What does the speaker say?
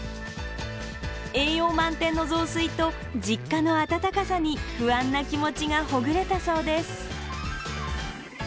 栄養満点の雑炊と実家の温かさに不安な気持ちがほぐれたそうです。